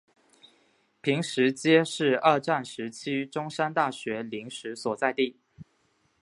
坪石街是二战时期中山大学临时所在地。